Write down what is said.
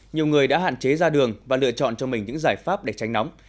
nhiều người đã hạn chế ra đường và lựa chọn cho mình những giải pháp để tránh nóng